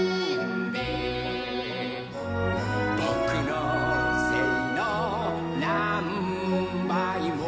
「ぼくのせいのなんばいも」